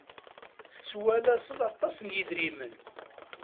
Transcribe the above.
Tettwalased aṭas n yidrimen.